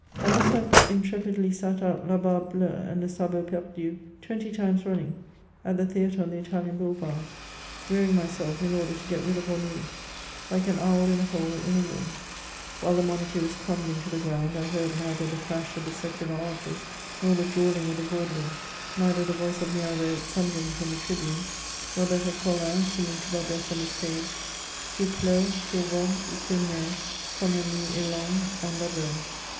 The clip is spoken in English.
I must have intre pidly sat out " La Barbe Bleu" and " Le Sabot Perdu" twenty times running, at the theatre on the Italian Boulevard, wearying myself in order to get rid of ennui, like an owl in a hole m a wall ; while the monarchy was crumbling to the ground, I heard neither the crash of the secular arches, nor the drawling of the vaudeville; neither the voice of Mirabeau thundering from the tribune, nor that of Colin singing to Babet on the stage :—*• Qu*il pleuve, qu'il vente ou qu'il neige Quand la nuit est longue, on Tabrege."